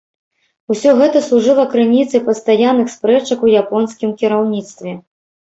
Усё гэта служыла крыніцай пастаянных спрэчак у японскім кіраўніцтве.